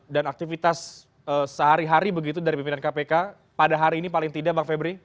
dan aktivitas sehari hari begitu dari pimpinan kpk pada hari ini paling tidak bang febri